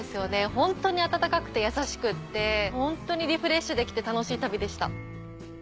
ホントに温かくて優しくてホントにリフレッシュできて楽しい旅でした。